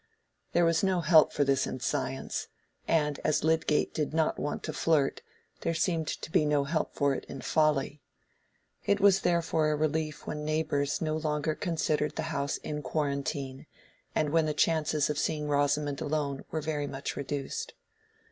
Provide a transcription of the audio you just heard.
There was no help for this in science, and as Lydgate did not want to flirt, there seemed to be no help for it in folly. It was therefore a relief when neighbors no longer considered the house in quarantine, and when the chances of seeing Rosamond alone were very much reduced.